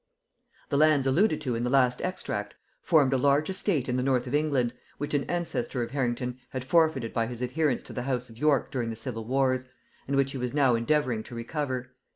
The lands alluded to in the last extract, formed a large estate in the north of England, which an ancestor of Harrington had forfeited by his adherence to the house of York during the civil wars, and which he was now endeavouring to recover.